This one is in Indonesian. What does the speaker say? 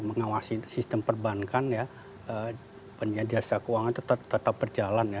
mengawasi sistem perbankan ya penyedia jasa keuangan tetap berjalan ya